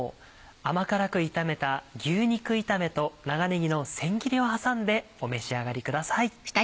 甘辛く炒めた牛肉炒めと長ねぎの千切りを挟んでお召し上がりください。